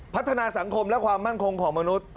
พัฒนาสังคมและความมั่นคงของมนุษย์